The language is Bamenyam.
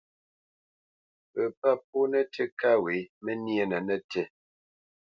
Pə pâ pó nətí kâ wě məníénə nətí.